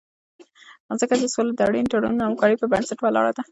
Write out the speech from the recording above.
ځکه چې سوله د اړینو تړونونو او همکارۍ پر بنسټ ولاړه ده.